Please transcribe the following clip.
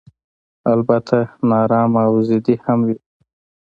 البته نا ارامه او ضدي هم وي.